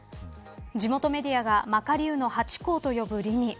地元メディアがマカリウのハチ公と呼ぶリニ。